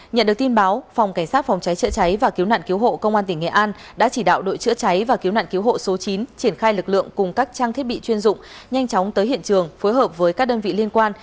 nhận được tin báo phòng cảnh sát phòng trái chữa cháy và cứu nạn cứu hộ công an tỉnh nghệ an